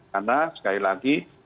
karena sekali lagi